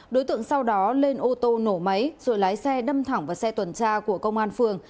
đối tượng sau đó lên ô tô nổ máy rồi lái xe đâm thẳng vào xe tuần tra của công an phường